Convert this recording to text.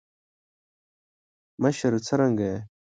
مشره څرنګه یی.